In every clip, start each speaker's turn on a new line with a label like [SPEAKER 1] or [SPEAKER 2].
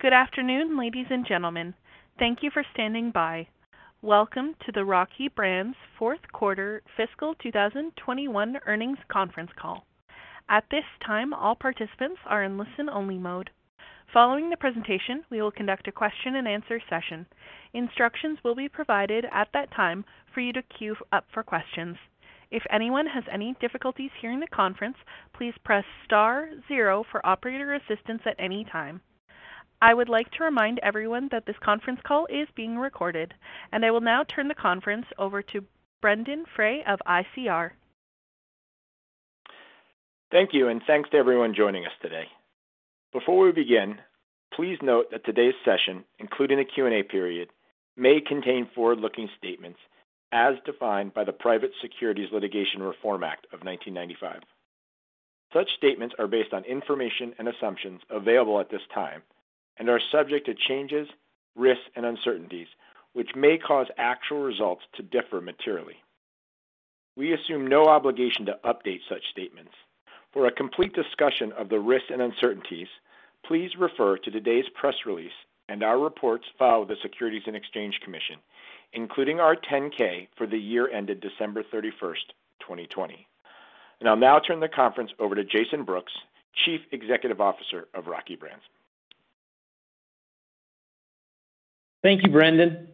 [SPEAKER 1] Good afternoon, ladies and gentlemen. Thank you for standing by. Welcome to the Rocky Brands Fourth Quarter Fiscal 2021 earnings conference call. At this time, all participants are in listen-only mode. Following the presentation, we will conduct a question-and-answer session. Instructions will be provided at that time for you to queue up for questions. If anyone has any difficulties hearing the conference, please press star zero for operator assistance at any time. I would like to remind everyone that this conference call is being recorded, and I will now turn the conference over to Brendon Frey of ICR.
[SPEAKER 2] Thank you, and thanks to everyone joining us today. Before we begin, please note that today's session, including the Q&A period, may contain forward-looking statements as defined by the Private Securities Litigation Reform Act of 1995. Such statements are based on information and assumptions available at this time and are subject to changes, risks, and uncertainties, which may cause actual results to differ materially. We assume no obligation to update such statements. For a complete discussion of the risks and uncertainties, please refer to today's press release and our reports filed with the Securities and Exchange Commission, including our 10-K for the year ended December 31, 2020. I'll now turn the conference over to Jason Brooks, Chief Executive Officer of Rocky Brands.
[SPEAKER 3] Thank you, Brendon.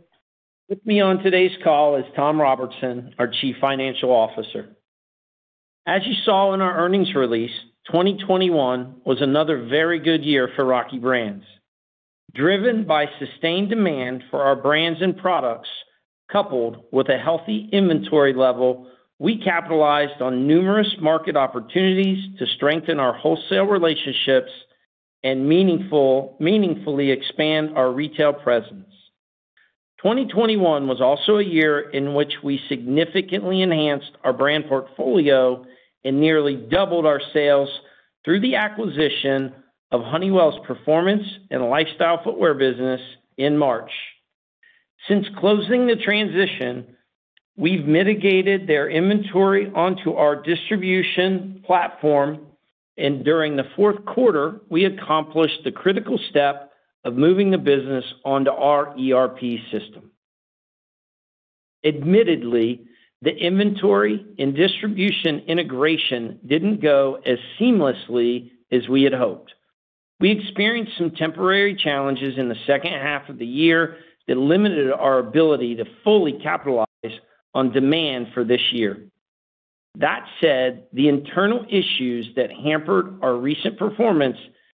[SPEAKER 3] With me on today's call is Tom Robertson, our Chief Financial Officer. As you saw in our earnings release, 2021 was another very good year for Rocky Brands. Driven by sustained demand for our brands and products, coupled with a healthy inventory level, we capitalized on numerous market opportunities to strengthen our wholesale relationships and meaningfully expand our retail presence. 2021 was also a year in which we significantly enhanced our brand portfolio and nearly doubled our sales through the acquisition of Honeywell's performance and lifestyle footwear business in March. Since closing the transaction, we've migrated their inventory onto our distribution platform, and during the fourth quarter, we accomplished the critical step of moving the business onto our ERP system. Admittedly, the inventory and distribution integration didn't go as seamlessly as we had hoped. We experienced some temporary challenges in the second half of the year that limited our ability to fully capitalize on demand for this year. That said, the internal issues that hampered our recent performance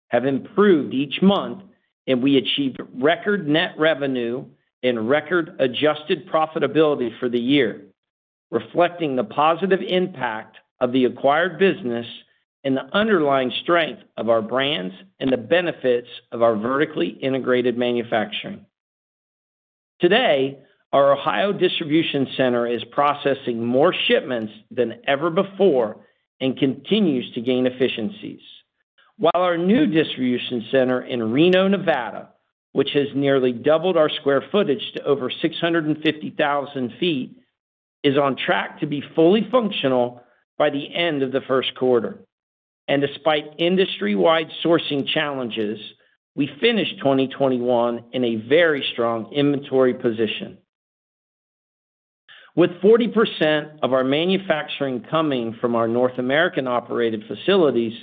[SPEAKER 3] have improved each month, and we achieved record net revenue and record adjusted profitability for the year, reflecting the positive impact of the acquired business and the underlying strength of our brands and the benefits of our vertically integrated manufacturing. Today, our Ohio distribution center is processing more shipments than ever before and continues to gain efficiencies. While our new distribution center in Reno, Nevada, which has nearly doubled our square footage to over 650,000 sq ft, is on track to be fully functional by the end of the first quarter. Despite industry-wide sourcing challenges, we finished 2021 in a very strong inventory position. With 40% of our manufacturing coming from our North American operated facilities,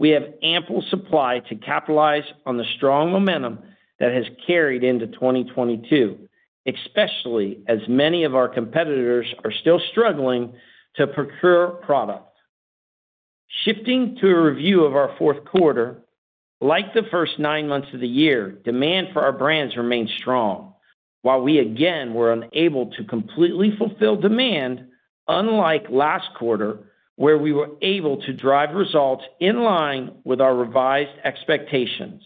[SPEAKER 3] we have ample supply to capitalize on the strong momentum that has carried into 2022, especially as many of our competitors are still struggling to procure product. Shifting to a review of our fourth quarter, like the first nine months of the year, demand for our brands remained strong. While we again were unable to completely fulfill demand, unlike last quarter, where we were able to drive results in line with our revised expectations.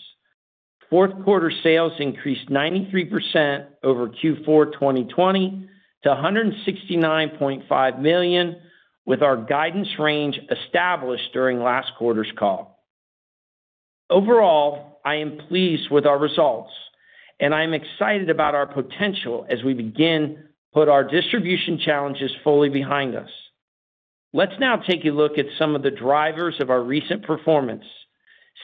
[SPEAKER 3] Fourth quarter sales increased 93% over Q4 2020 to $169.5 million with our guidance range established during last quarter's call. Overall, I am pleased with our results and I'm excited about our potential as we begin to put our distribution challenges fully behind us. Let's now take a look at some of the drivers of our recent performance.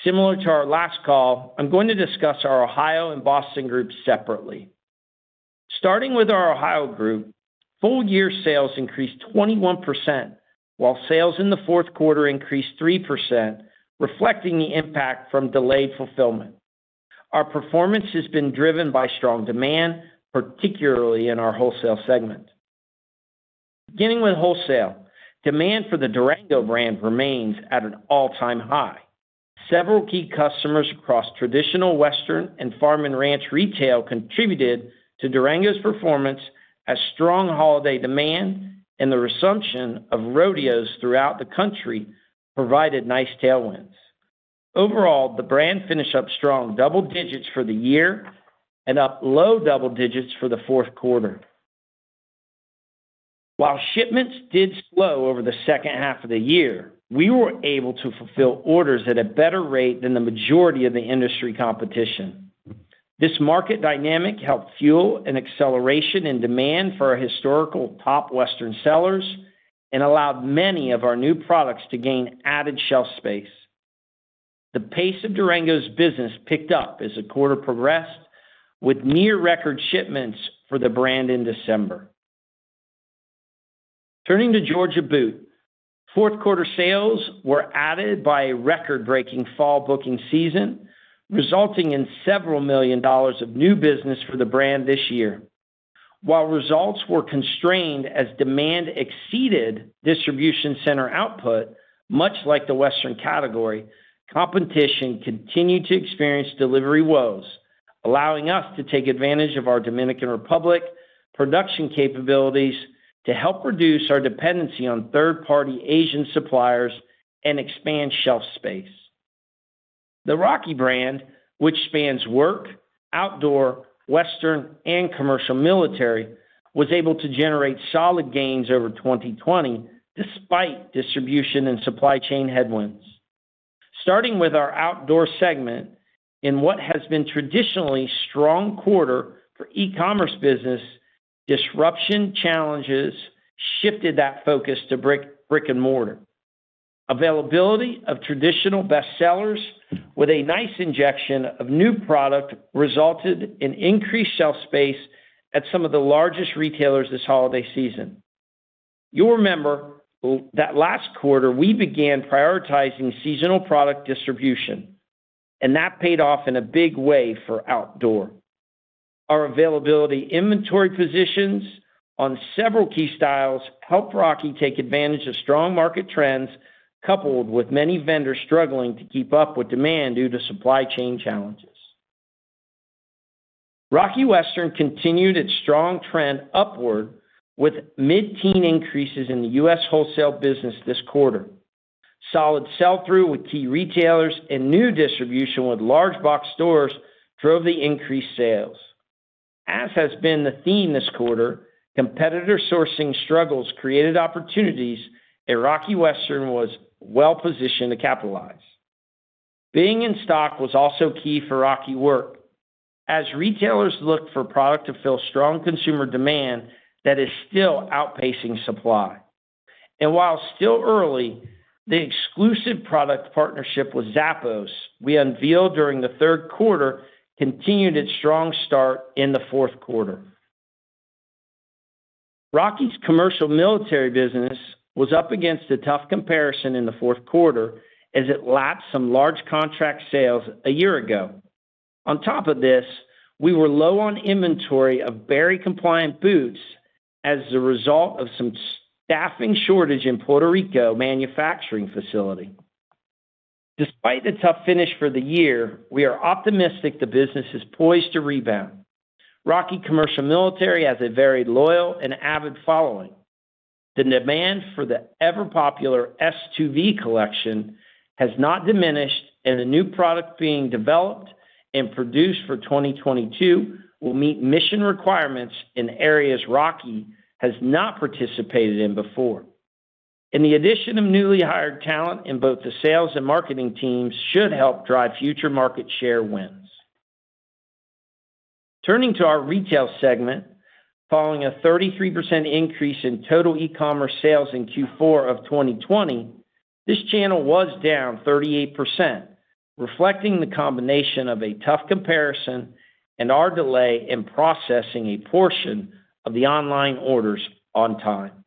[SPEAKER 3] Similar to our last call, I'm going to discuss our Ohio Group and Boston Group separately. Starting with our Ohio Group, full year sales increased 21% while sales in the fourth quarter increased 3%, reflecting the impact from delayed fulfillment. Our performance has been driven by strong demand, particularly in our wholesale segment. Beginning with wholesale, demand for the Durango brand remains at an all-time high. Several key customers across traditional Western and farm and ranch retail contributed to Durango's performance as strong holiday demand and the resumption of rodeos throughout the country provided nice tailwinds. Overall, the brand finished up strong double digits for the year and up low double digits for the fourth quarter. While shipments did slow over the second half of the year, we were able to fulfill orders at a better rate than the majority of the industry competition. This market dynamic helped fuel an acceleration in demand for our historical top Western sellers and allowed many of our new products to gain added shelf space. The pace of Durango's business picked up as the quarter progressed with near record shipments for the brand in December. Turning to Georgia Boot, fourth quarter sales were added by a record-breaking fall booking season, resulting in several million dollars of new business for the brand this year. While results were constrained as demand exceeded distribution center output, much like the Western category, competition continued to experience delivery woes, allowing us to take advantage of our Dominican Republic production capabilities to help reduce our dependency on third-party Asian suppliers and expand shelf space. The Rocky brand, which spans work, outdoor, western, and commercial military, was able to generate solid gains over 2020 despite distribution and supply chain headwinds. Starting with our outdoor segment, in what has been traditionally strong quarter for e-commerce business, disruption challenges shifted that focus to brick and mortar. Availability of traditional bestsellers with a nice injection of new product resulted in increased shelf space at some of the largest retailers this holiday season. You'll remember that last quarter we began prioritizing seasonal product distribution, and that paid off in a big way for outdoor. Our availability inventory positions on several key styles helped Rocky take advantage of strong market trends, coupled with many vendors struggling to keep up with demand due to supply chain challenges. Rocky Western continued its strong trend upward with mid-teen increases in the U.S. wholesale business this quarter. Solid sell-through with key retailers and new distribution with large box stores drove the increased sales. As has been the theme this quarter, competitor sourcing struggles created opportunities that Rocky Western was well-positioned to capitalize. Being in stock was also key for Rocky Work as retailers looked for product to fill strong consumer demand that is still outpacing supply. While still early, the exclusive product partnership with Zappos we unveiled during the third quarter continued its strong start in the fourth quarter. Rocky's commercial military business was up against a tough comparison in the fourth quarter as it lapsed some large contract sales a year ago. On top of this, we were low on inventory of Berry-compliant boots as a result of some staffing shortage in Puerto Rico manufacturing facility. Despite the tough finish for the year, we are optimistic the business is poised to rebound. Rocky commercial military has a very loyal and avid following. The demand for the ever-popular S2V collection has not diminished, and the new product being developed and produced for 2022 will meet mission requirements in areas Rocky has not participated in before. The addition of newly hired talent in both the sales and marketing teams should help drive future market share wins. Turning to our retail segment, following a 33% increase in total e-commerce sales in Q4 of 2020, this channel was down 38%, reflecting the combination of a tough comparison and our delay in processing a portion of the online orders on time.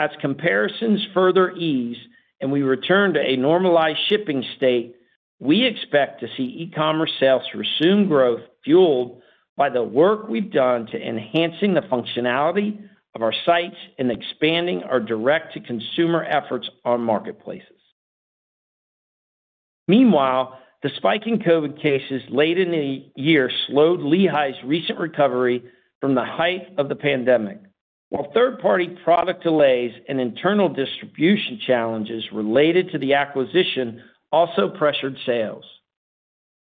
[SPEAKER 3] As comparisons further ease and we return to a normalized shipping state, we expect to see e-commerce sales resume growth fueled by the work we've done to enhancing the functionality of our sites and expanding our direct-to-consumer efforts on marketplaces. Meanwhile, the spike in COVID cases late in the year slowed Lehigh's recent recovery from the height of the pandemic, while third-party product delays and internal distribution challenges related to the acquisition also pressured sales.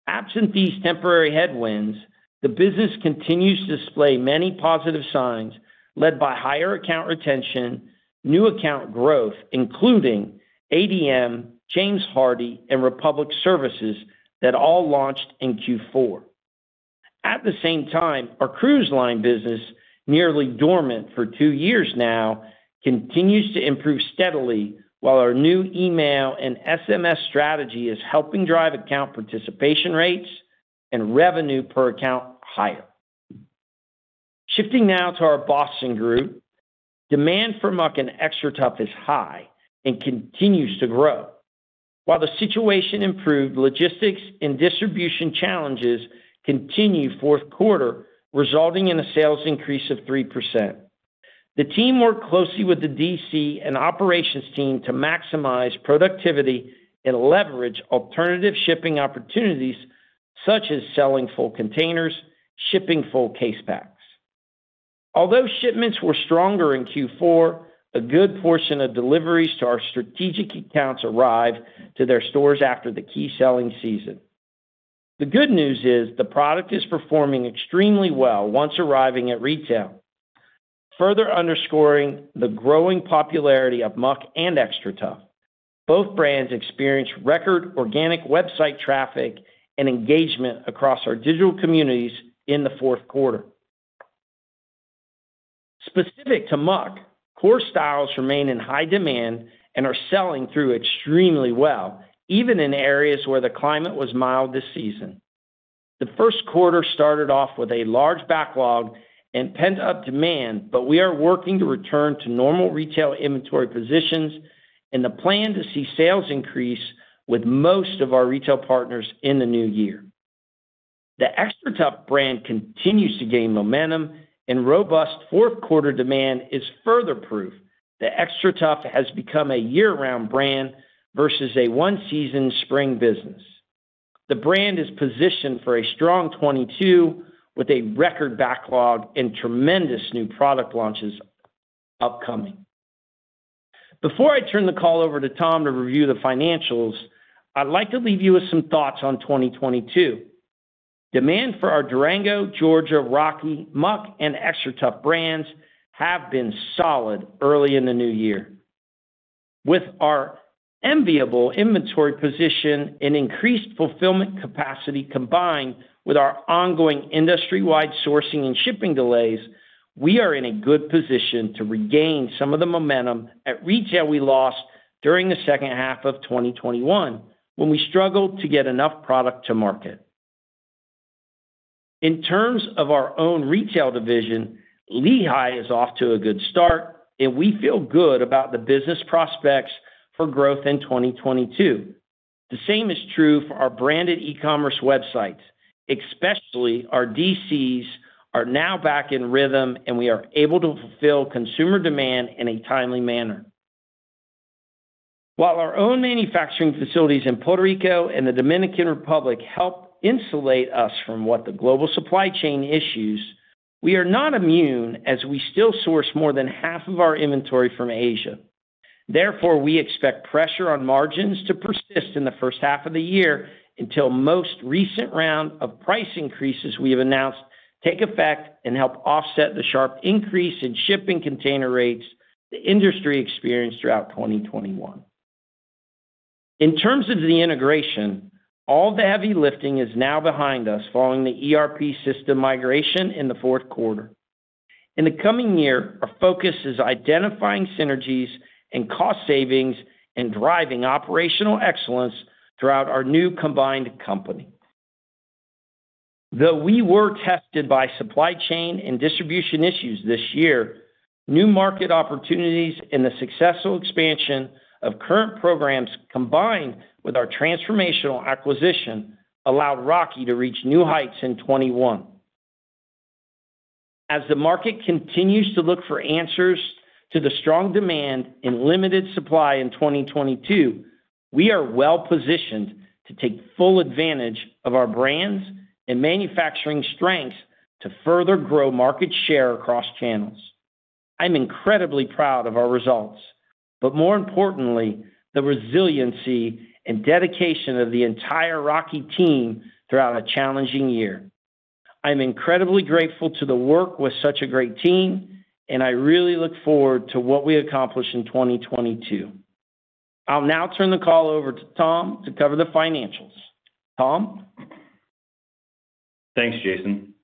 [SPEAKER 3] Absent these temporary headwinds, the business continues to display many positive signs led by higher account retention, new account growth, including ADM, James Hardie, and Republic Services that all launched in Q4. At the same time, our cruise line business, nearly dormant for two years now, continues to improve steadily, while our new email and SMS strategy is helping drive account participation rates and revenue per account higher. Shifting now to our Boston Group, demand for Muck and XTRATUF is high and continues to grow. While the situation improved, logistics and distribution challenges continued fourth quarter, resulting in a sales increase of 3%. The team worked closely with the DC and operations team to maximize productivity and leverage alternative shipping opportunities, such as selling full containers, shipping full case packs. Although shipments were stronger in Q4, a good portion of deliveries to our strategic accounts arrived to their stores after the key selling season. The good news is the product is performing extremely well once arriving at retail. Further underscoring the growing popularity of Muck and XTRATUF, both brands experienced record organic website traffic and engagement across our digital communities in the fourth quarter. Specific to Muck, core styles remain in high demand and are selling through extremely well, even in areas where the climate was mild this season. The first quarter started off with a large backlog and pent-up demand, but we are working to return to normal retail inventory positions and we plan to see sales increase with most of our retail partners in the new year. The XTRATUF brand continues to gain momentum and robust fourth quarter demand is further proof that XTRATUF has become a year-round brand versus a one-season spring business. The brand is positioned for a strong 2022 with a record backlog and tremendous new product launches upcoming. Before I turn the call over to Tom to review the financials, I'd like to leave you with some thoughts on 2022. Demand for our Durango, Georgia, Rocky, Muck and XTRATUF brands have been solid early in the new year. With our enviable inventory position and increased fulfillment capacity combined with our ongoing industry-wide sourcing and shipping delays, we are in a good position to regain some of the momentum at retail we lost during the second half of 2021 when we struggled to get enough product to market. In terms of our own retail division, Lehigh is off to a good start, and we feel good about the business prospects for growth in 2022. The same is true for our branded e-commerce websites, especially our DCs are now back in rhythm, and we are able to fulfill consumer demand in a timely manner. While our own manufacturing facilities in Puerto Rico and the Dominican Republic help insulate us from the global supply chain issues, we are not immune as we still source more than half of our inventory from Asia. Therefore, we expect pressure on margins to persist in the first half of the year until most recent round of price increases we have announced take effect and help offset the sharp increase in shipping container rates the industry experienced throughout 2021. In terms of the integration, all the heavy lifting is now behind us following the ERP system migration in the fourth quarter. In the coming year, our focus is identifying synergies and cost savings and driving operational excellence throughout our new combined company. Though we were tested by supply chain and distribution issues this year, new market opportunities and the successful expansion of current programs combined with our transformational acquisition allowed Rocky to reach new heights in 2021. As the market continues to look for answers to the strong demand and limited supply in 2022, we are well-positioned to take full advantage of our brands and manufacturing strengths to further grow market share across channels. I'm incredibly proud of our results, but more importantly, the resiliency and dedication of the entire Rocky team throughout a challenging year. I'm incredibly grateful to work with such a great team, and I really look forward to what we accomplish in 2022. I'll now turn the call over to Tom to cover the financials. Tom?
[SPEAKER 4] Thanks, Jason.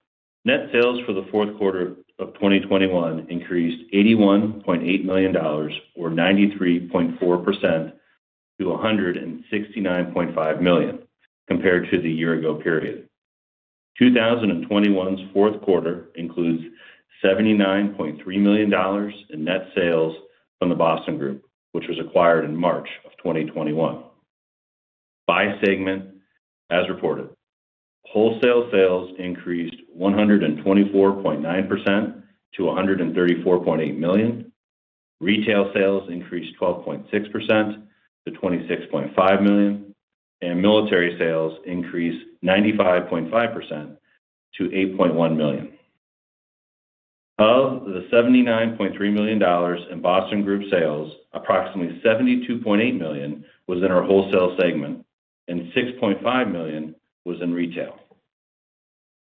[SPEAKER 4] Net sales for the fourth quarter of 2021 increased $81.8 million or 93.4% to $169.5 million compared to the year ago period. 2021's fourth quarter includes $79.3 million in net sales from the Boston Group, which was acquired in March of 2021. By segment, as reported, wholesale sales increased 124.9% to $134.8 million, retail sales increased 12.6% to $26.5 million, and military sales increased 95.5% to $8.1 million. Of the $79.3 million in Boston Group sales, approximately $72.8 million was in our wholesale segment, and $6.5 million was in retail.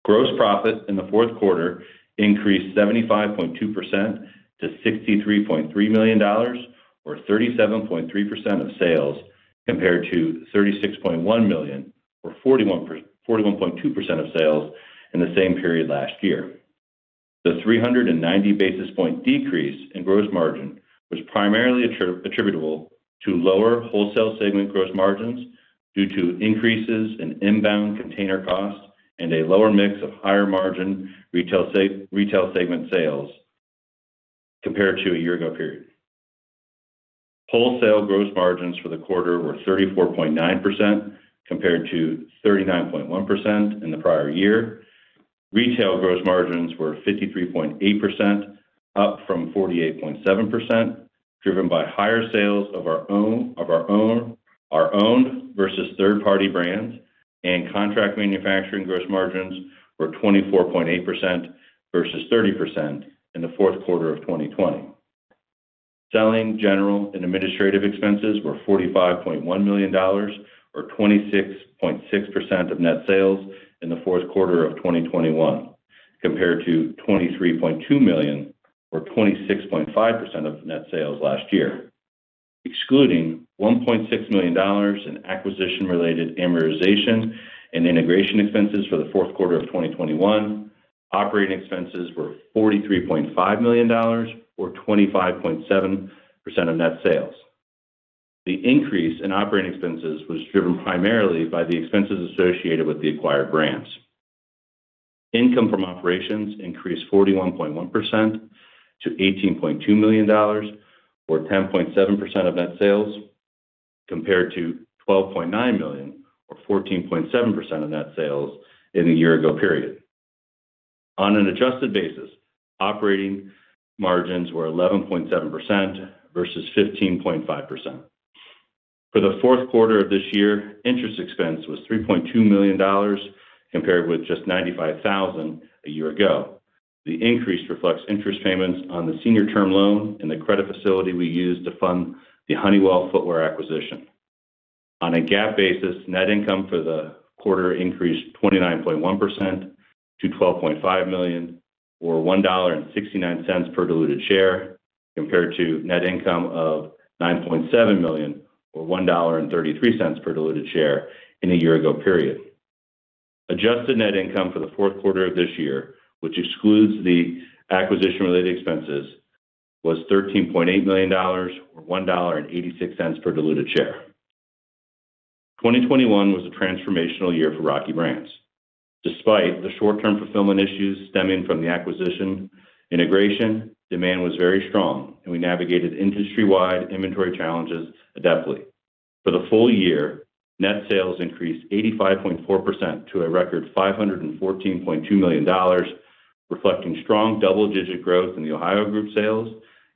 [SPEAKER 4] Gross profit in the fourth quarter increased 75.2% to $63.3 million or 37.3% of sales compared to $36.1 million or 41.2% of sales in the same period last year. The 390 basis point decrease in gross margin was primarily attributable to lower wholesale segment gross margins due to increases in inbound container costs and a lower mix of higher margin retail segment sales compared to a year ago period. Wholesale gross margins for the quarter were 34.9% compared to 39.1% in the prior year. Retail gross margins were 53.8%, up from 48.7%, driven by higher sales of our owned versus third-party brands, and contract manufacturing gross margins were 24.8% versus 30% in the fourth quarter of 2020. Selling general and administrative expenses were $45.1 million or 26.6% of net sales in the fourth quarter of 2021, compared to $23.2 million or 26.5% of net sales last year. Excluding $1.6 million in acquisition-related amortization and integration expenses for the fourth quarter of 2021, operating expenses were $43.5 million or 25.7% of net sales. The increase in operating expenses was driven primarily by the expenses associated with the acquired brands. Income from operations increased 41.1% to $18.2 million or 10.7% of net sales, compared to $12.9 million or 14.7% of net sales in the year ago period. On an adjusted basis, operating margins were 11.7% versus 15.5%. For the fourth quarter of this year, interest expense was $3.2 million compared with just $95,000 a year ago. The increase reflects interest payments on the senior term loan and the credit facility we used to fund the Honeywell footwear acquisition. On a GAAP basis, net income for the quarter increased 29.1% to $12.5 million or $1.69 per diluted share, compared to net income of $9.7 million or $1.33 per diluted share in the year ago period. Adjusted net income for the fourth quarter of this year, which excludes the acquisition related expenses, was $13.8 million or $1.86 per diluted share. 2021 was a transformational year for Rocky Brands. Despite the short-term fulfillment issues stemming from the acquisition integration, demand was very strong and we navigated industry wide inventory challenges adeptly. For the full year, net sales increased 85.4% to a record $514.2 million, reflecting strong double-digit growth in the Ohio group sales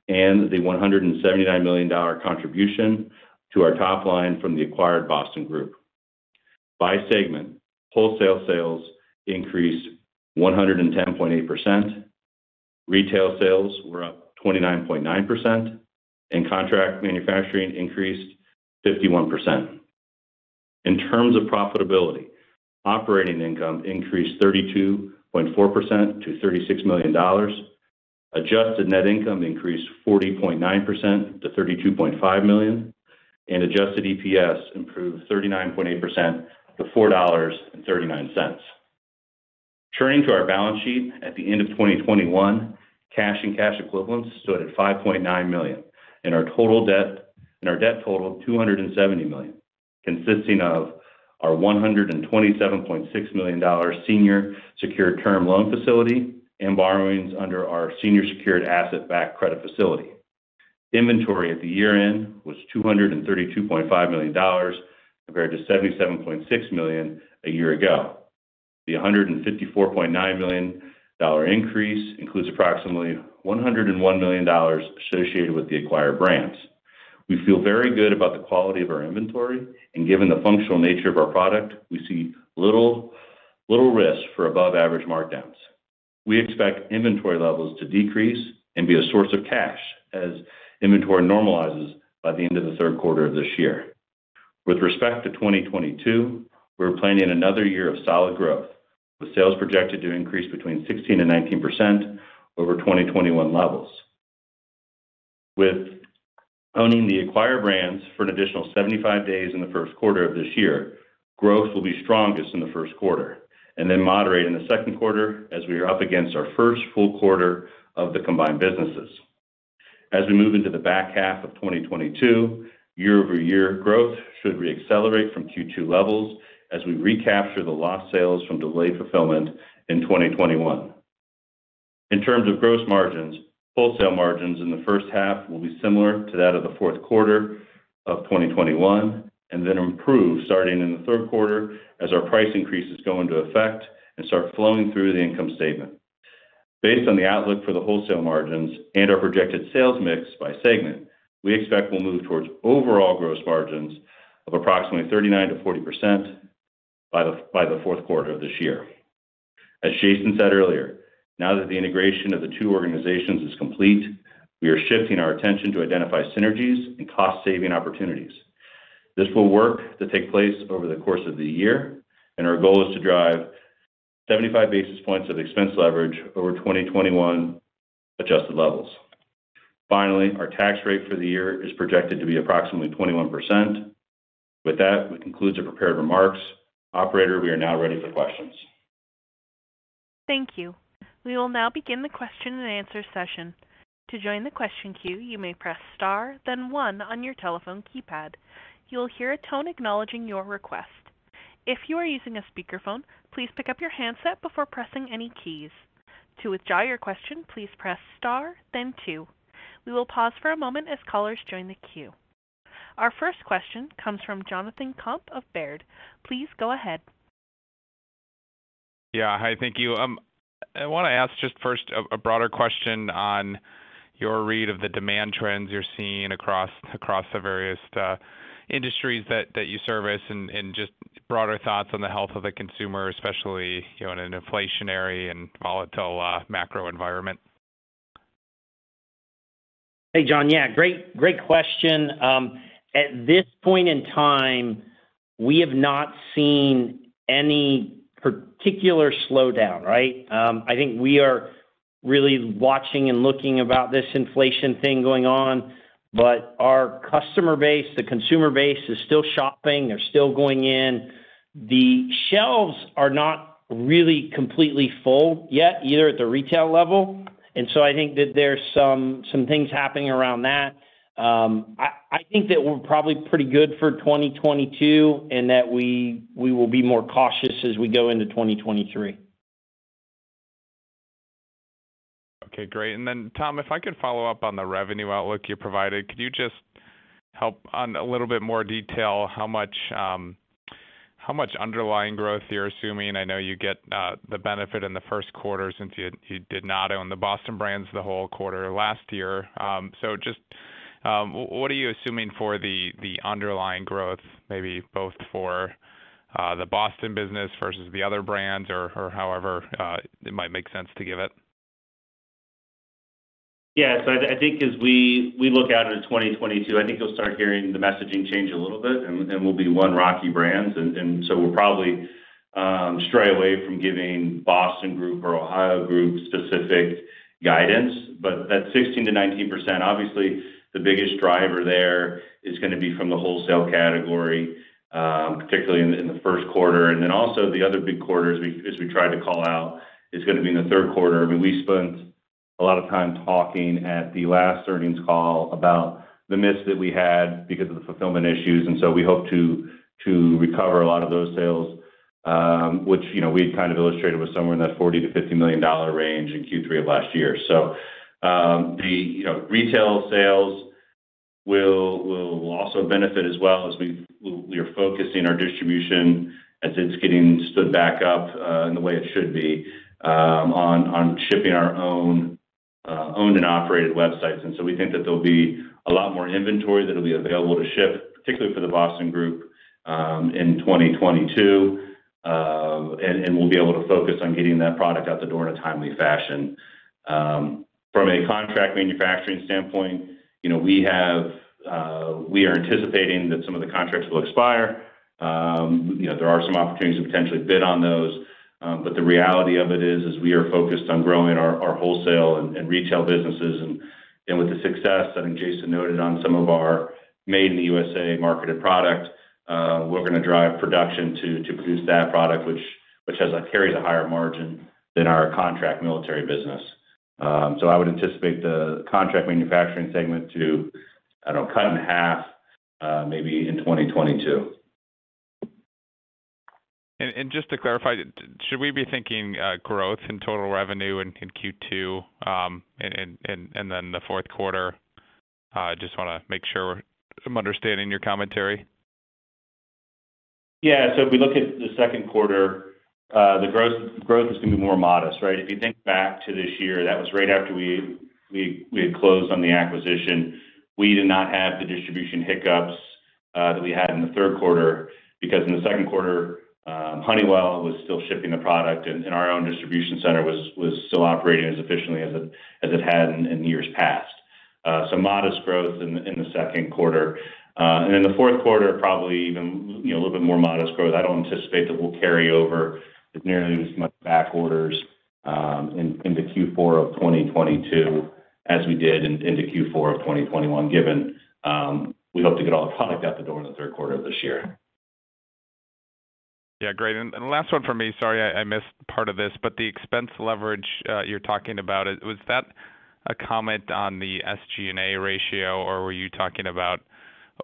[SPEAKER 4] and the $179 million contribution to our top line from the acquired Boston Group. By segment, wholesale sales increased 110.8%, retail sales were up 29.9%, and contract manufacturing increased 51%. In terms of profitability, operating income increased 32.4% to $36 million. Adjusted net income increased 40.9% to $32.5 million, and adjusted EPS improved 39.8% to $4.39. Turning to our balance sheet at the end of 2021, cash and cash equivalents stood at $5.9 million, and our total debt totaled $270 million, consisting of our $127.6 million senior secured term loan facility and borrowings under our senior secured asset-backed credit facility. Inventory at the year-end was $232.5 million compared to $77.6 million a year ago. The $154.9 million increase includes approximately $101 million associated with the acquired brands. We feel very good about the quality of our inventory and given the functional nature of our product, we see little risk for above average markdowns. We expect inventory levels to decrease and be a source of cash as inventory normalizes by the end of the third quarter of this year. With respect to 2022, we're planning another year of solid growth, with sales projected to increase between 16% and 19% over 2021 levels. With owning the acquired brands for an additional 75 days in the first quarter of this year, growth will be strongest in the first quarter and then moderate in the second quarter as we are up against our first full quarter of the combined businesses. As we move into the back half of 2022, year-over-year growth should reaccelerate from Q2 levels as we recapture the lost sales from delayed fulfillment in 2021. In terms of gross margins, wholesale margins in the first half will be similar to that of the fourth quarter of 2021 and then improve starting in the third quarter as our price increases go into effect and start flowing through the income statement. Based on the outlook for the wholesale margins and our projected sales mix by segment, we expect we'll move towards overall gross margins of approximately 39%-40% by the fourth quarter of this year. As Jason said earlier, now that the integration of the two organizations is complete, we are shifting our attention to identify synergies and cost saving opportunities. This work will take place over the course of the year, and our goal is to drive 75 basis points of expense leverage over 2021 adjusted levels. Finally, our tax rate for the year is projected to be approximately 21%. With that, we conclude the prepared remarks. Operator, we are now ready for questions.
[SPEAKER 1] Thank you. We will now begin the question-and-answer session. To join the question queue. You may press star then one on your telephone keypad. You will hear a tone acknowledging your request. If you are using a speakerphone, please pick up your handset before pressing any keys. To withdraw your question, please press star then two. We will pause for a moment as callers join the queue. Our first question comes from Jonathan Komp of Baird. Please go ahead.
[SPEAKER 5] Yeah. Hi. Thank you. I wanna ask just first a broader question on your read of the demand trends you're seeing across the various industries that you service and just broader thoughts on the health of the consumer, especially, you know, in an inflationary and volatile macro environment?
[SPEAKER 3] Hey, Jon. Yeah, great question. At this point in time, we have not seen any particular slowdown, right? I think we are really watching and looking about this inflation thing going on, but our customer base, the consumer base is still shopping. They're still going in. The shelves are not really completely full yet, either at the retail level. I think that there's some things happening around that. I think that we're probably pretty good for 2022, and that we will be more cautious as we go into 2023.
[SPEAKER 5] Okay, great. Tom, if I could follow up on the revenue outlook you provided. Could you just help on a little bit more detail how much underlying growth you're assuming? I know you get the benefit in the first quarter since you did not own the Boston brands the whole quarter last year. What are you assuming for the underlying growth, maybe both for the Boston business versus the other brands or however it might make sense to give it?
[SPEAKER 4] I think as we look out into 2022, I think you'll start hearing the messaging change a little bit, and we'll be one Rocky Brands. We'll probably stray away from giving Boston Group or Ohio Group specific guidance. But that 16%-19%, obviously, the biggest driver there is gonna be from the wholesale category, particularly in the first quarter. Then also the other big quarters as we tried to call out is gonna be in the third quarter. I mean, we spent a lot of time talking at the last earnings call about the miss that we had because of the fulfillment issues. We hope to recover a lot of those sales, which, you know, we had kind of illustrated was somewhere in that $40 million-$50 million range in Q3 of last year. The, you know, retail sales will also benefit as well as we're focusing our distribution as it's getting stood back up, in the way it should be, on shipping our own owned and operated websites. We think that there'll be a lot more inventory that'll be available to ship, particularly for the Boston Group, in 2022. We'll be able to focus on getting that product out the door in a timely fashion. From a contract manufacturing standpoint, you know, we are anticipating that some of the contracts will expire. You know, there are some opportunities to potentially bid on those. The reality of it is we are focused on growing our wholesale and retail businesses. With the success that I think Jason noted on some of our made in the USA marketed product, we're gonna drive production to produce that product, which carries a higher margin than our contract military business. I would anticipate the contract manufacturing segment to, I don't know, cut in half, maybe in 2022.
[SPEAKER 5] Just to clarify, should we be thinking growth in total revenue in Q2, and then the fourth quarter? Just wanna make sure I'm understanding your commentary.
[SPEAKER 4] Yeah. If we look at the second quarter, the growth is gonna be more modest, right? If you think back to this year, that was right after we had closed on the acquisition. We did not have the distribution hiccups that we had in the third quarter because in the second quarter, Honeywell was still shipping the product, and our own distribution center was still operating as efficiently as it had in years past. Modest growth in the second quarter. In the fourth quarter, probably even, you know, a little bit more modest growth. I don't anticipate that we'll carry over with nearly as much back orders in the Q4 of 2022 as we did in the Q4 of 2021, given we hope to get all the product out the door in the third quarter of this year.
[SPEAKER 5] Yeah, great. Last one for me. Sorry, I missed part of this, but the expense leverage, you're talking about it, was that a comment on the SG&A ratio, or were you talking about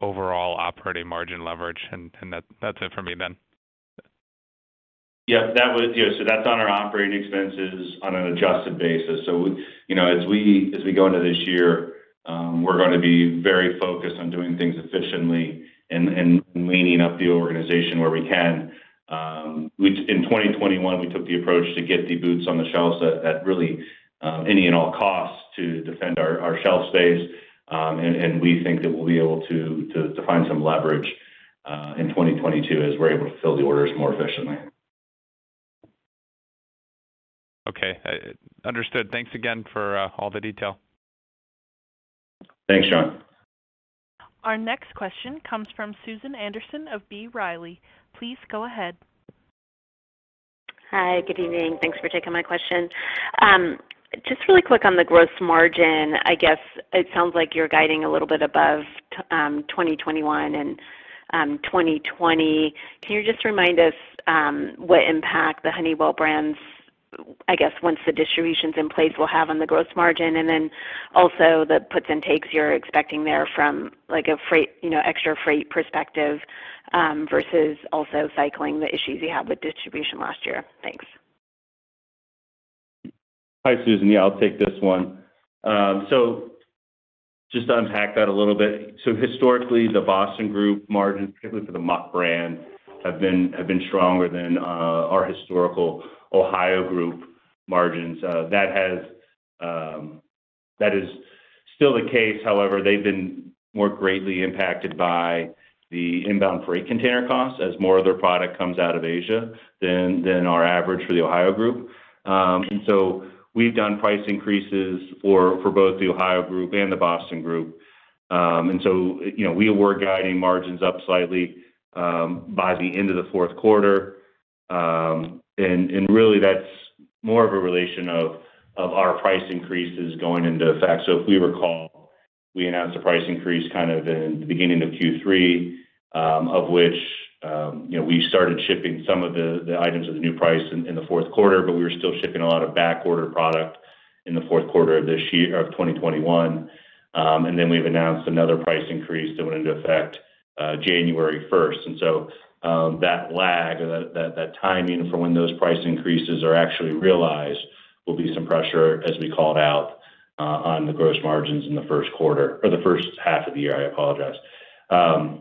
[SPEAKER 5] overall operating margin leverage? That's it for me then.
[SPEAKER 4] Yeah, so that's on our operating expenses on an adjusted basis. You know, as we go into this year, we're gonna be very focused on doing things efficiently and leaning up the organization where we can. In 2021, we took the approach to get the boots on the shelves at really any and all costs to defend our shelf space. We think that we'll be able to find some leverage in 2022 as we're able to fill the orders more efficiently.
[SPEAKER 5] Okay. Understood. Thanks again for all the detail.
[SPEAKER 4] Thanks, Jon.
[SPEAKER 1] Our next question comes from Susan Anderson of B. Riley. Please go ahead.
[SPEAKER 6] Hi. Good evening. Thanks for taking my question. Just really quick on the gross margin. I guess it sounds like you're guiding a little bit above 2021 and 2020. Can you just remind us what impact the Honeywell brands, I guess, once the distribution is in place, will have on the gross margin? Also the puts and takes you're expecting there from, like, a freight, you know, extra freight perspective, versus also cycling the issues you had with distribution last year. Thanks.
[SPEAKER 4] Hi, Susan. Yeah, I'll take this one. Just to unpack that a little bit. Historically, the Boston Group margins, particularly for the Muck brand, have been stronger than our historical Ohio Group margins. That is still the case. However, they've been more greatly impacted by the inbound freight container costs as more of their product comes out of Asia than our average for the Ohio Group. We've done price increases for both the Ohio Group and the Boston Group. You know, we were guiding margins up slightly by the end of the fourth quarter. Really that's more of a relation of our price increases going into effect. If we recall, we announced a price increase kind of in the beginning of Q3, of which, you know, we started shipping some of the items at the new price in the fourth quarter, but we were still shipping a lot of back order product in the fourth quarter of this year, or of 2021. Then we've announced another price increase that went into effect January first. That lag or that timing for when those price increases are actually realized will be some pressure as we called out on the gross margins in the first quarter or the first half of the year. I apologize.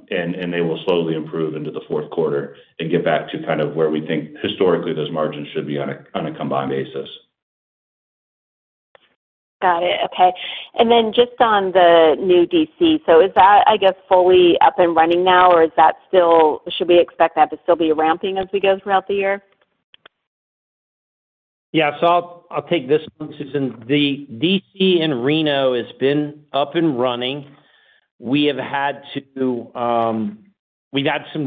[SPEAKER 4] They will slowly improve into the fourth quarter and get back to kind of where we think historically those margins should be on a combined basis.
[SPEAKER 6] Got it. Okay. Just on the new DC. Is that, I guess, fully up and running now, or is that still? Should we expect that to still be ramping as we go throughout the year?
[SPEAKER 3] Yeah. I'll take this one, Susan. The DC in Reno has been up and running. We've had some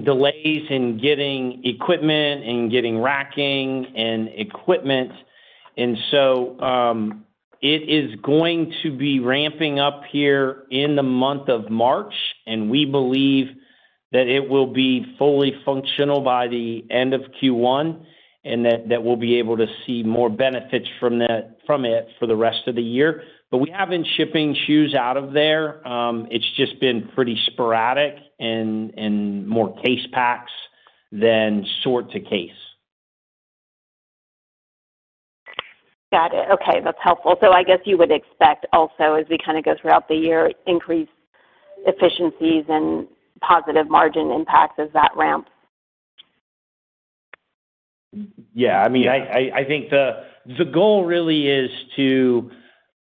[SPEAKER 3] delays in getting equipment and getting racking and equipment. It is going to be ramping up here in the month of March, and we believe that it will be fully functional by the end of Q1, and that we'll be able to see more benefits from it for the rest of the year. We have been shipping shoes out of there. It's just been pretty sporadic and more case packs than sort to case.
[SPEAKER 6] Got it. Okay. That's helpful. I guess you would expect also as we kind of go throughout the year, increased efficiencies and positive margin impact as that ramps.
[SPEAKER 3] Yeah. I mean, I think the goal really is to,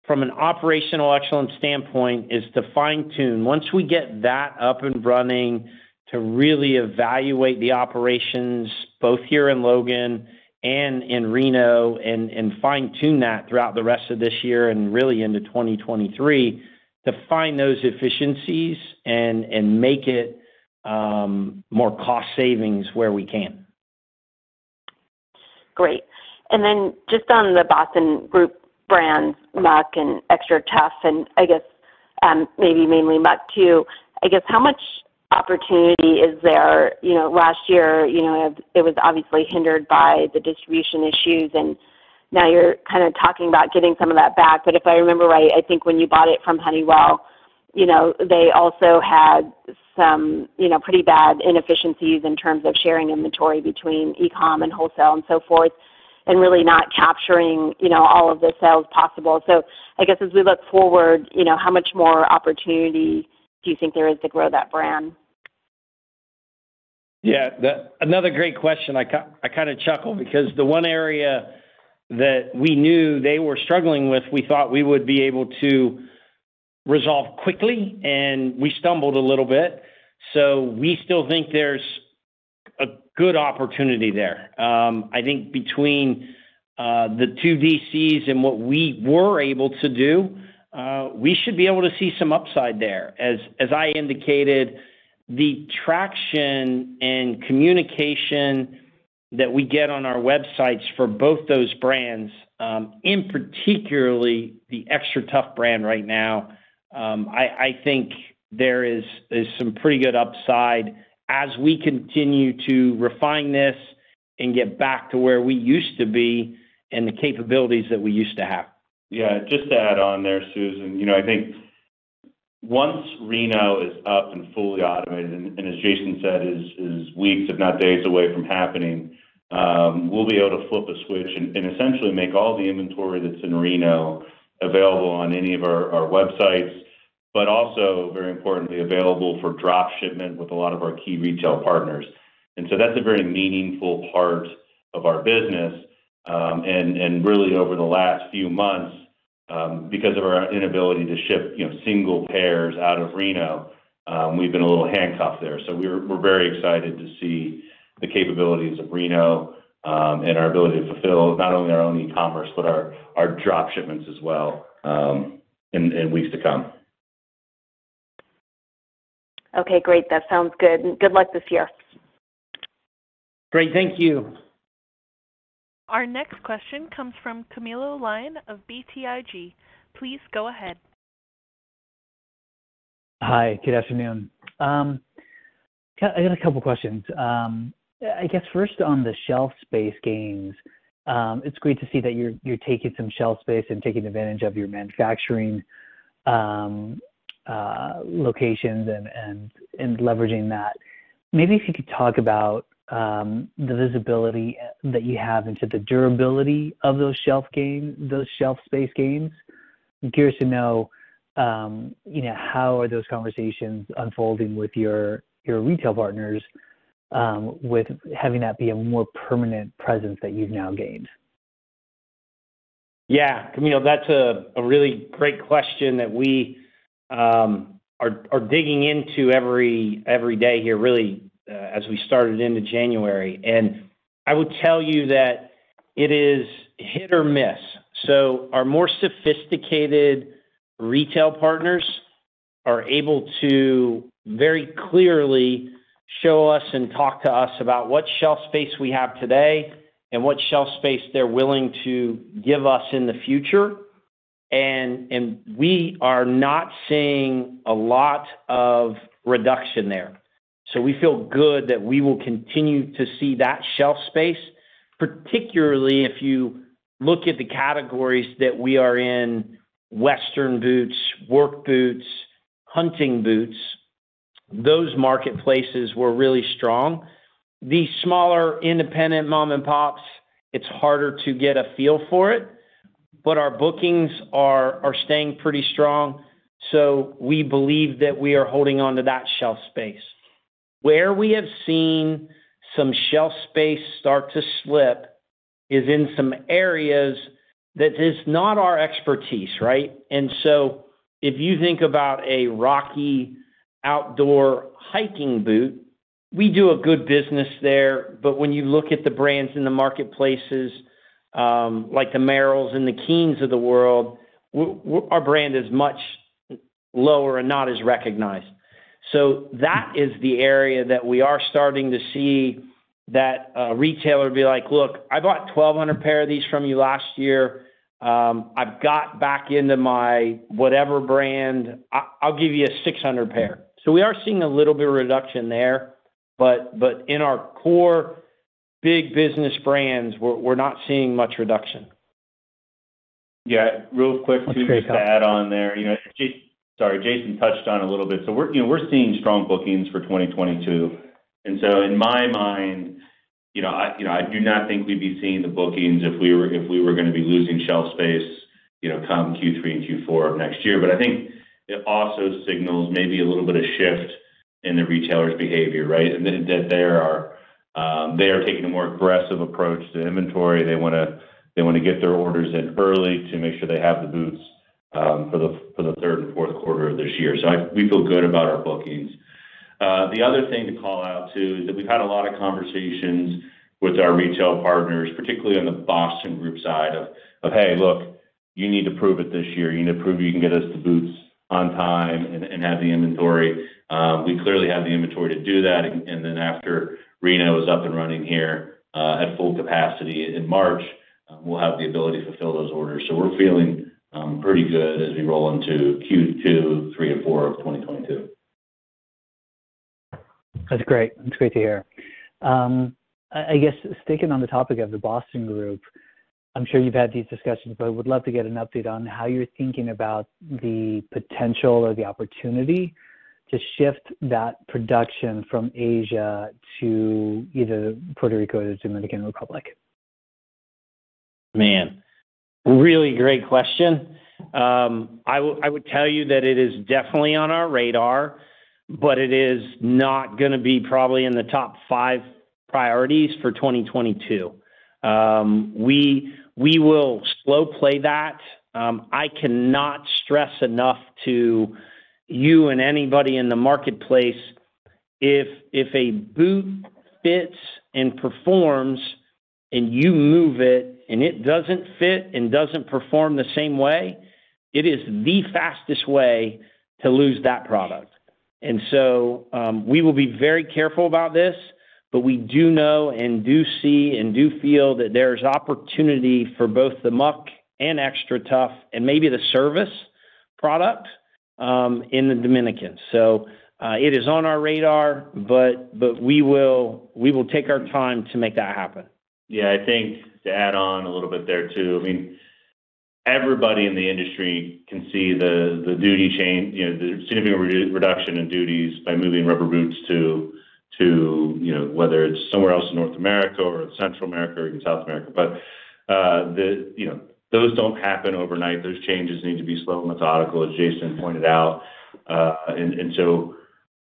[SPEAKER 3] from an operational excellence standpoint, fine-tune. Once we get that up and running to really evaluate the operations both here in Logan and in Reno and fine-tune that throughout the rest of this year and really into 2023 to find those efficiencies and make it more cost savings where we can.
[SPEAKER 6] Great. Just on the Boston Group brands, Muck and XTRATUF, and I guess, maybe mainly Muck too, I guess how much opportunity is there? You know, last year, you know, it was obviously hindered by the distribution issues, and now your kind of talking about getting some of that back. If I remember right, I think when you bought it from Honeywell, you know, they also had some, you know, pretty bad inefficiencies in terms of sharing inventory between e-com and wholesale and so forth, and really not capturing, you know, all of the sales possible. I guess as we look forward, you know, how much more opportunity do you think there is to grow that brand?
[SPEAKER 3] Yeah. Another great question. I kinda chuckle because the one area that we knew they were struggling with, we thought we would be able to resolve quickly, and we stumbled a little bit. We still think there's a good opportunity there. I think between the two DCs and what we were able to do, we should be able to see some upside there. As I indicated, the traction and communication that we get on our websites for both those brands, and particularly the XTRATUF brand right now, I think there is some pretty good upside as we continue to refine this and get back to where we used to be and the capabilities that we used to have.
[SPEAKER 4] Yeah. Just to add on there, Susan. You know, I think once Reno is up and fully automated, and as Jason said, is weeks if not days away from happening, we'll be able to flip a switch and essentially make all the inventory that's in Reno available on any of our websites, but also very importantly, available for drop shipment with a lot of our key retail partners. That's a very meaningful part of our business. Really over the last few months, because of our inability to ship, you know, single pairs out of Reno, we've been a little handcuffed there. We're very excited to see the capabilities of Reno, and our ability to fulfill not only our own e-commerce, but our drop shipments as well, in weeks to come.
[SPEAKER 6] Okay, great. That sounds good. Good luck this year.
[SPEAKER 3] Great. Thank you.
[SPEAKER 1] Our next question comes from Camilo Lyon of BTIG. Please go ahead.
[SPEAKER 7] Hi. Good afternoon. I got a couple questions. I guess first on the shelf space gains, it's great to see that you're taking some shelf space and taking advantage of your manufacturing locations and leveraging that. Maybe if you could talk about the visibility that you have into the durability of those shelf space gains. I'm curious to know, you know, how are those conversations unfolding with your retail partners with having that be a more permanent presence that you've now gained?
[SPEAKER 3] Yeah. Camilo, that's a really great question that we are digging into every day here really, as we started into January. I would tell you that it is hit or miss. Our more sophisticated retail partners are able to very clearly show us and talk to us about what shelf space we have today and what shelf space they're willing to give us in the future. We are not seeing a lot of reduction there. We feel good that we will continue to see that shelf space, particularly if you look at the categories that we are in, western boots, work boots, hunting boots, those marketplaces were really strong. The smaller independent mom and pops, it's harder to get a feel for it, but our bookings are staying pretty strong. We believe that we are holding onto that shelf space. Where we have seen some shelf space start to slip is in some areas that is not our expertise, right? If you think about a Rocky Outdoor hiking boot, we do a good business there. When you look at the brands in the marketplaces, like the Merrells and the Keens of the world, our brand is much lower and not as recognized. That is the area that we are starting to see that a retailer be like, "Look, I bought 1,200 pair of these from you last year. I've got back into my whatever brand. I'll give you 600 pair." We are seeing a little bit of reduction there, but in our core big business brands, we're not seeing much reduction.
[SPEAKER 4] Yeah. Real quick too, to add on there. You know, Jason. Sorry. Jason touched on a little bit. We're seeing strong bookings for 2022. In my mind, you know, I do not think we'd be seeing the bookings if we were gonna be losing shelf space, you know, come Q3 and Q4 of next year. I think it also signals maybe a little bit of shift in the retailers' behavior, right? That there are, they are taking a more aggressive approach to inventory. They wanna get their orders in early to make sure they have the boots for the third and fourth quarter of this year. We feel good about our bookings. The other thing to call out too is that we've had a lot of conversations with our retail partners, particularly on the Boston Group side of "Hey, look, you need to prove it this year. You need to prove you can get us the boots on time and have the inventory." We clearly have the inventory to do that. And then after Reno is up and running here at full capacity in March, we'll have the ability to fulfill those orders. We're feeling pretty good as we roll into Q2, Q3 and Q4 of 2022.
[SPEAKER 7] That's great. That's great to hear. I guess sticking on the topic of the Boston Group, I'm sure you've had these discussions, but I would love to get an update on how you're thinking about the potential or the opportunity to shift that production from Asia to either Puerto Rico or the Dominican Republic.
[SPEAKER 3] Man, really great question. I would tell you that it is definitely on our radar, but it is not gonna be probably in the top five priorities for 2022. We will slow play that. I cannot stress enough to you and anybody in the marketplace, if a boot fits and performs and you move it and it doesn't fit and doesn't perform the same way, it is the fastest way to lose that product. We will be very careful about this, but we do know and do see and do feel that there's opportunity for both the Muck and XTRATUF and maybe the Servus product, in the Dominican. It is on our radar, but we will take our time to make that happen.
[SPEAKER 4] Yeah. I think to add on a little bit there too, I mean, everybody in the industry can see the supply chain, you know, the significant reduction in duties by moving rubber boots to, you know, whether it's somewhere else in North America or Central America or even South America. Those don't happen overnight. Those changes need to be slow and methodical, as Jason pointed out.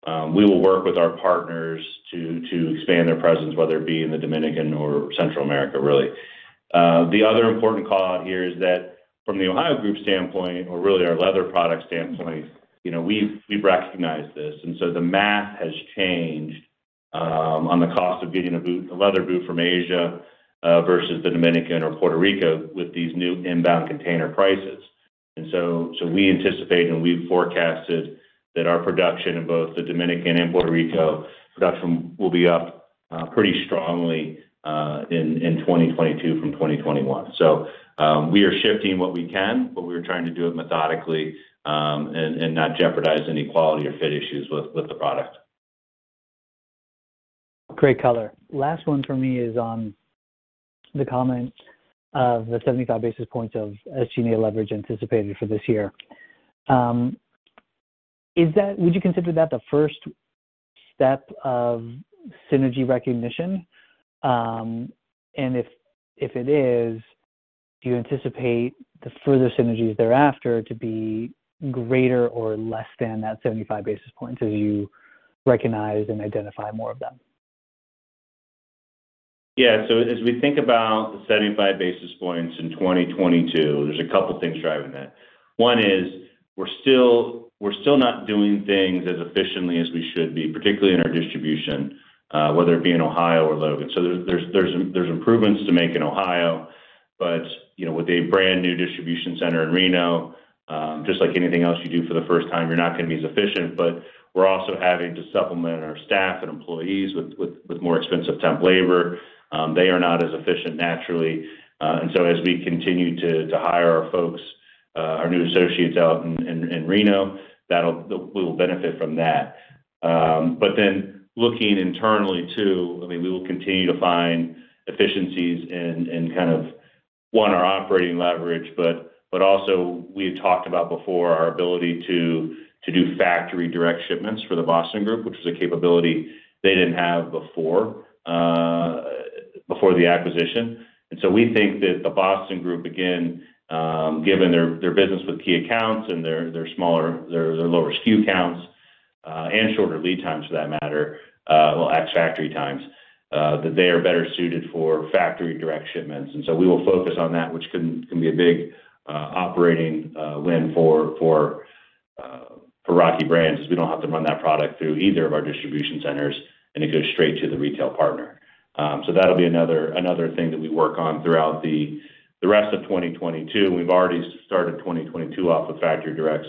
[SPEAKER 4] We will work with our partners to expand their presence, whether it be in the Dominican or Central America really. The other important call out here is that from the Ohio Group standpoint or really our leather product standpoint, you know, we've recognized this, and so the math has changed on the cost of getting a boot, a leather boot from Asia versus the Dominican or Puerto Rico with these new inbound container prices. We anticipate and we've forecasted that our production in both the Dominican and Puerto Rico production will be up pretty strongly in 2022 from 2021. We are shifting what we can, but we're trying to do it methodically and not jeopardize any quality or fit issues with the product.
[SPEAKER 7] Great color. Last one for me is on the comment of the 75 basis points of SG&A leverage anticipated for this year. Would you consider that the first step of synergy recognition? If it is, do you anticipate the further synergies thereafter to be greater or less than that 75 basis points as you recognize and identify more of them?
[SPEAKER 4] Yeah. As we think about the 75 basis points in 2022, there's a couple things driving that. One is we're still not doing things as efficiently as we should be, particularly in our distribution, whether it be in Ohio or Logan. There's improvements to make in Ohio. You know, with a brand-new distribution center in Reno, just like anything else you do for the first time, you're not gonna be as efficient. We're also having to supplement our staff and employees with more expensive temp labor. They are not as efficient naturally. As we continue to hire our folks, our new associates out in Reno, we'll benefit from that. Looking internally too, I mean, we will continue to find efficiencies in kind of our operating leverage, but also, we had talked about before our ability to do factory direct shipments for the Boston Group, which is a capability they didn't have before the acquisition. We think that the Boston Group, again, given their business with key accounts and their smaller their lower SKU counts and shorter lead times for that matter, well, ex-factory times, that they are better suited for factory direct shipments. We will focus on that, which can be a big operating win for Rocky Brands as we don't have to run that product through either of our distribution centers, and it goes straight to the retail partner. That'll be another thing that we work on throughout the rest of 2022. We've already started 2022 off with factory directs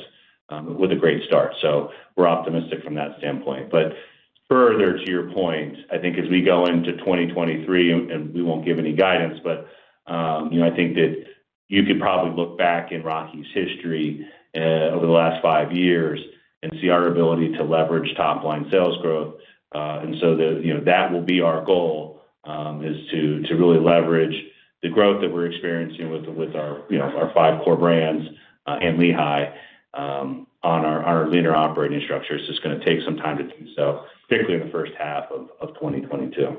[SPEAKER 4] with a great start. We're optimistic from that standpoint. Further to your point, I think as we go into 2023, and we won't give any guidance, but you know, I think that you could probably look back in Rocky's history over the last five years and see our ability to leverage top-line sales growth. You know, that will be our goal is to really leverage the growth that we're experiencing with our you know, our five core brands and Lehigh on our leaner operating structure. It's just gonna take some time to do so, particularly in the first half of 2022.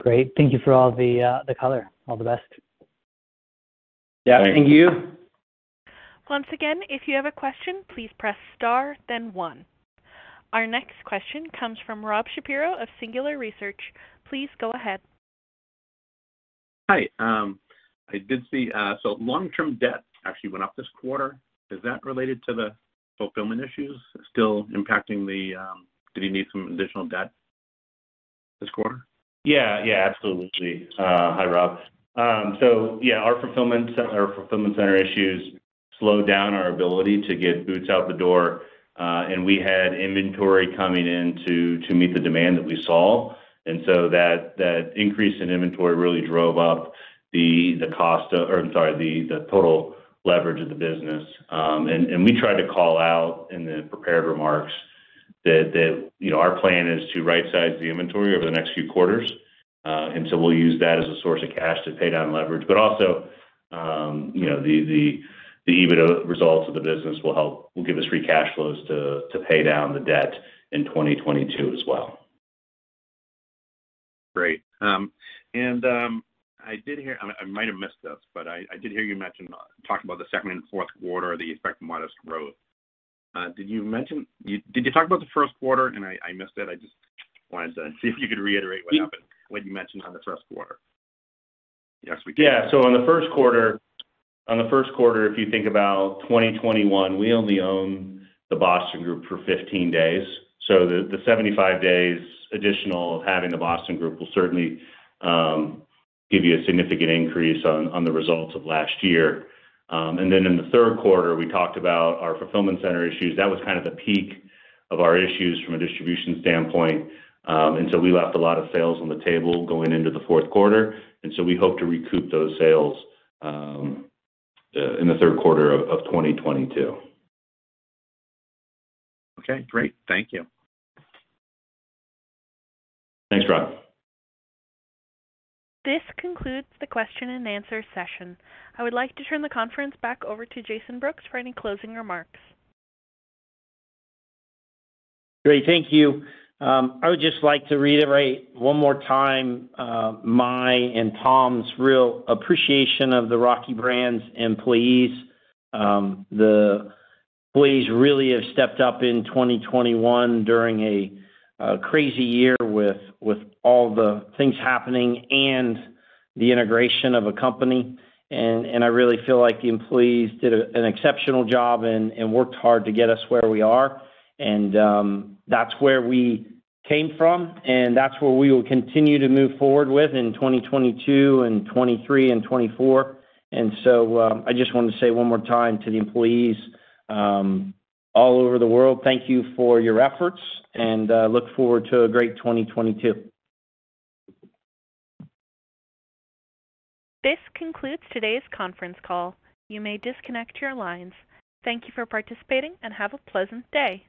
[SPEAKER 7] Great. Thank you for all the color. All the best.
[SPEAKER 4] Yeah. Thank you.
[SPEAKER 1] Once again, if you have a question, please press star then one. Our next question comes from Rob Shapiro of Singular Research. Please go ahead.
[SPEAKER 8] Hi. I did see long-term debt actually went up this quarter. Is that related to the fulfillment issues? Did you need some additional debt this quarter?
[SPEAKER 4] Yeah. Yeah, absolutely. Hi, Rob. Yeah, our fulfillment center issues slowed down our ability to get boots out the door, and we had inventory coming in to meet the demand that we saw. That increase in inventory really drove up the total leverage of the business. We tried to call out in the prepared remarks that, you know, our plan is to right-size the inventory over the next few quarters, and so we'll use that as a source of cash to pay down leverage. Also, you know, the EBITDA results of the business will help give us free cash flows to pay down the debt in 2022 as well.
[SPEAKER 8] Great. I might have missed this, but I did hear you mention talk about the second and fourth quarter that you expect modest growth. Did you talk about the first quarter and I missed it? I just wanted to see if you could reiterate what happened, what you mentioned on the first quarter.
[SPEAKER 4] Yeah. On the first quarter, if you think about 2021, we only owned the Boston Group for 15 days. The 75 days additional of having the Boston Group will certainly give you a significant increase on the results of last year. In the third quarter, we talked about our fulfillment center issues. That was kind of the peak of our issues from a distribution standpoint, and we left a lot of sales on the table going into the fourth quarter. We hope to recoup those sales in the third quarter of 2022.
[SPEAKER 8] Okay, great. Thank you.
[SPEAKER 4] Thanks, Rob.
[SPEAKER 1] This concludes the question and answer session. I would like to turn the conference back over to Jason Brooks for any closing remarks.
[SPEAKER 3] Great. Thank you. I would just like to reiterate one more time my and Tom's real appreciation of the Rocky Brands employees. The employees really have stepped up in 2021 during a crazy year with all the things happening and the integration of a company. I really feel like the employees did an exceptional job and worked hard to get us where we are. That's where we came from, and that's where we will continue to move forward with in 2022 and 2023 and 2024. I just wanted to say one more time to the employees all over the world, thank you for your efforts, and look forward to a great 2022.
[SPEAKER 1] This concludes today's conference call. You may disconnect your lines. Thank you for participating, and have a pleasant day.